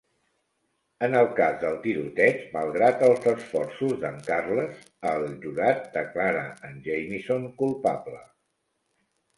En el cas del tiroteig, malgrat els esforços d'en Carles, el jurat declara en Jamison culpable.